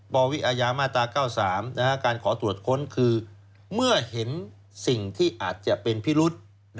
ปวิอาญามาตรา๙๓การขอตรวจค้นคือเมื่อเห็นสิ่งที่อาจจะเป็นพิรุษ